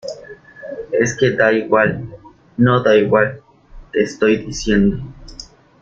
es que da igual. no da igual . te estoy diciendo